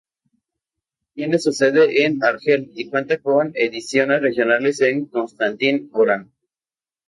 Tiene su sede en Argel y cuenta con ediciones regionales en Constantine, Orán...